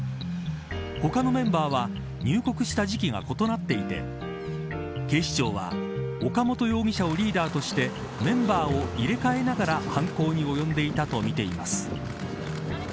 他のメンバーは入国した時期が異なっていて警視庁は岡本容疑者をリーダーとしてメンバーを入れ替えながら犯行に及んでいたとみています。